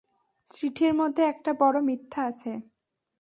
চিঠির মধ্যে একটা বড় মিথ্যা আছে।